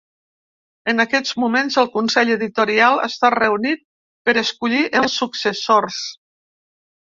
En aquests moments el consell editorial està reunit per escollir els successors.